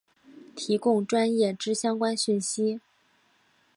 提供专业之相关讯息